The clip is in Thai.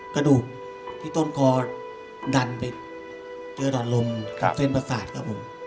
กระดูกที่ต้นคอดันไปเจอหลอดลมเส้นประสาทครับผม